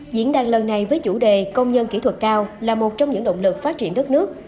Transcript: diễn đàn lần này với chủ đề công nhân kỹ thuật cao là một trong những động lực phát triển đất nước